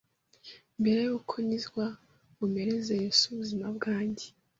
Mbere yuko nkizwa ngo mpereze Yesu ubuzima bwanjye,